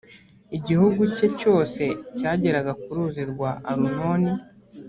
igihugu cye cyose cyageraga ku ruzi rwa arunoni.